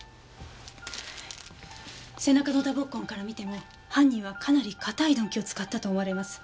背中の打撲痕から見ても犯人はかなり硬い鈍器を使ったと思われます。